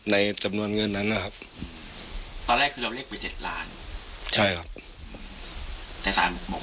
แต่สารบอกว่าให้แค่๒๕๐๐๐๐๐